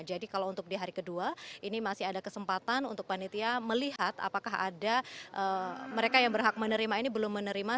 jadi kalau untuk di hari kedua ini masih ada kesempatan untuk panitia melihat apakah ada mereka yang berhak menerima ini belum menerima